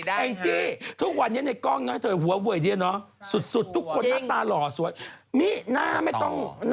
ไม่จำเป็นฮะดูตัวจริงสิฮะ